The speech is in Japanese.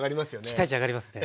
期待値上がりますね。